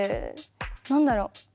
何だろう？